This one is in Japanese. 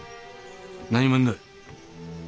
何者だ？